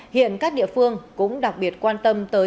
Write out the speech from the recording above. hiện các địa phương cũng đặc biệt quan tâm tới